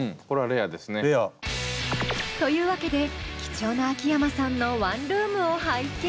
レア。というわけで貴重な秋山さんのワンルームを拝見。